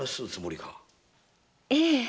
ええ。